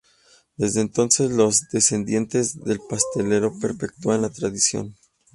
Desde entonces, los descendientes del pastelero perpetúan la tradición.